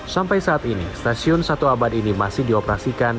sampai saat ini stasiun satu abad ini masih dioperasikan